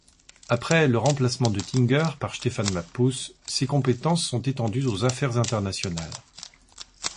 Après le remplacement d'Oettinger par Stefan Mappus, ses compétences sont étendues aux affaires internationales.